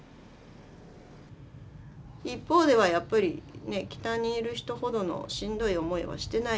一方ではやっぱり北にいる人ほどのしんどい思いはしてない。